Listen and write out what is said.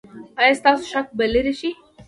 ایا ستاسو شک به لرې شي؟